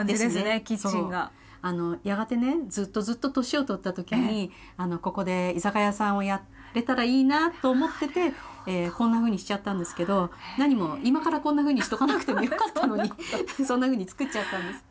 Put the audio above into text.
やがてねずっとずっと年を取った時にここで居酒屋さんをやれたらいいなあと思っててこんなふうにしちゃったんですけど何も今からこんなふうにしとかなくてもよかったのにそんなふうにつくっちゃったんです。